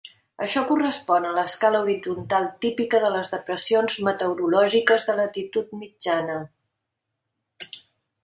Això correspon a l'escala horitzontal típica de les depressions meteorològiques de latitud mitjana.